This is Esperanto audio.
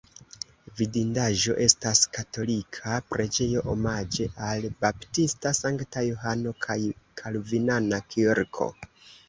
Vidindaĵo estas katolika preĝejo omaĝe al Baptista Sankta Johano kaj kalvinana kirko.